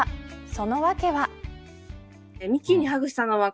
その訳は。